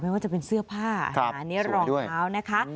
ว่าจะเป็นเสื้อผ้าอาหารนี้รองเท้านะคะ